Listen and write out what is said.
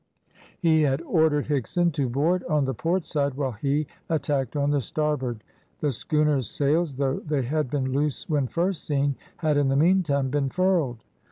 He had ordered Higson to board on the port side, while he attacked on the starboard. The schooner's sails, though they had been loose when first seen, had in the meantime been furled.